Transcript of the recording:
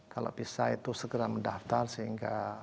kalau bisa itu segera mendaftar sehingga